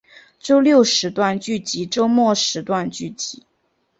周六时段剧集周末时段剧集